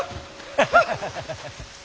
ハハハハハッ。